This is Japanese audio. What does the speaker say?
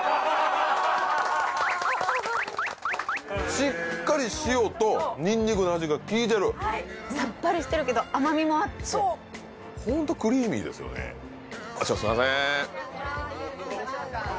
しっかり塩とニンニクの味がきいてるさっぱりしてるけど甘味もあってそうホントクリーミーですよねじゃすいません